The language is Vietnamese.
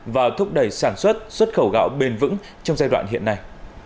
và thúc đẩy sản xuất xuất khẩu gạo bền vững trong giai đoạn hiện nay